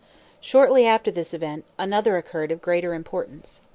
Shortly after this event, another occurred of greater importance.